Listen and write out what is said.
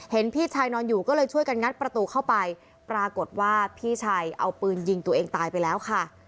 พี่ชายนอนอยู่ก็เลยช่วยกันงัดประตูเข้าไปปรากฏว่าพี่ชายเอาปืนยิงตัวเองตายไปแล้วค่ะ